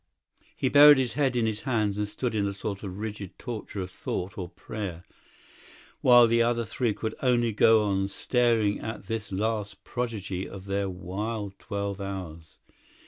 He buried his head in his hands, and stood in a sort of rigid torture of thought or prayer, while the other three could only go on staring at this last prodigy of their wild twelve hours.